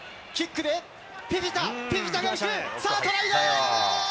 トライだ！